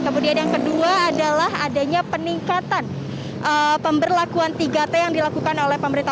kemudian yang kedua adalah adanya peningkatan pemberlakuan tiga t yang dilakukan oleh pemerintah